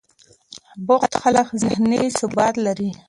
بوخت خلک ذهني ثبات لري.